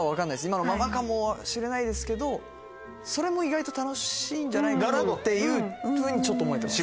今のままかもしれないですけどそれも意外と楽しいんじゃないかなっていうふうにちょっと思えてます。